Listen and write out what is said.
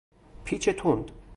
پیچ تند